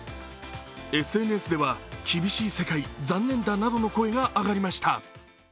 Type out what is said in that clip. ＳＮＳでは厳しい世界、残念だなどの声が上がりました。